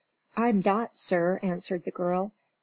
"I'm Dot, sir," answered the girl.